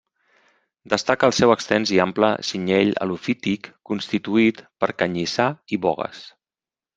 Destaca el seu extens i ample cinyell helofític, constituït per canyissar i bogues.